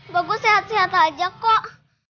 bagus sehat sehat aja kok